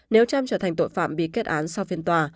nếu trump trở thành tội phạm bị kết án sau phiền tỏa